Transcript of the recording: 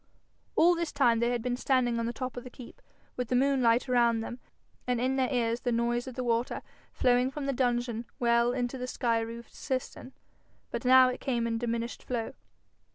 All this time they had been standing on the top of the keep, with the moonlight around them, and in their ears the noise of the water flowing from the dungeon well into the sky roofed cistern. But now it came in diminished flow.